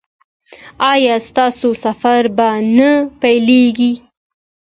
ایا ستاسو سفر به نه پیلیږي؟